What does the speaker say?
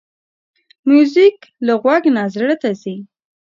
موزیک له غوږ نه زړه ته ځي.